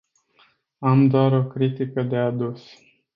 Am doar o critică de adus.